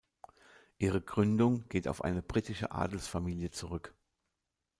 Ihre Gründung geht auf eine britische Adelsfamilie zurück.